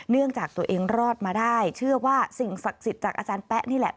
เนื่องจากตัวเองรอดมาได้เชื่อว่าสิ่งศักดิ์สิทธิ์จากอาจารย์แป๊ะนี่แหละ